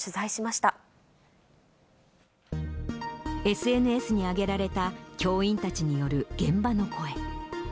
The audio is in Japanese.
ＳＮＳに上げられた、教員たちによる現場の声。